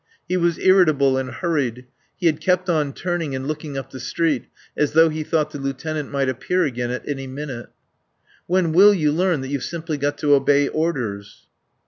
He was irritable and hurried; he had kept on turning and looking up the street as though he thought the lieutenant might appear again at any minute. "When will you learn that you've simply got to obey orders?"